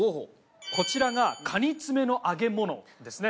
こちらが蟹爪の揚げ物ですね。